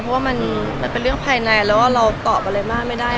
เพราะว่ามันเป็นเรื่องภายในแล้วเราตอบอะไรมากไม่ได้